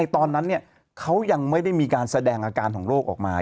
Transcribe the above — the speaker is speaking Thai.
ตอนนั้นเขายังไม่ได้มีการแสดงอาการของโรคออกมา